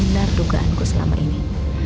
benar dugaanku selama ini